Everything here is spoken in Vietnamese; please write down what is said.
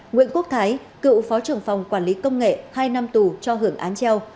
nguyễn quốc thái cựu phó trưởng phòng quản lý công nghệ hai năm tù cho hưởng án treo